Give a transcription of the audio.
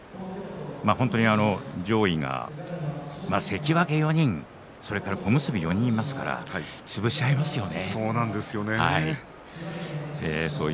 上位が関脇４人にそれから小結４人いますから潰し合いますよね。